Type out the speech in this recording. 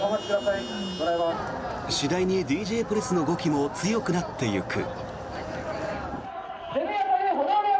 次第にＤＪポリスの語気も強くなっていく。